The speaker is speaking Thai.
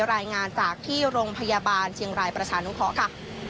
รายงานจากที่โรงพยาบาลเชียงรายประชานุเคราะห์ค่ะ